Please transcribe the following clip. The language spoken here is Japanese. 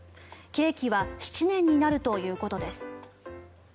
刑期は７年になるということです。